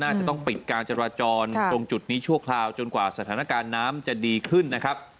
อาจจะต้องปิดการจราจรตรงจุดนี้ชั่วคราวจนกว่าสถานการณ์น้ำจะดีขึ้นนะครับ